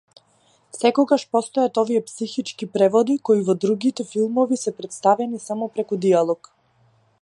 Секогаш постојат овие психички преводи, кои во другите филмови се претставени само преку дијалогот.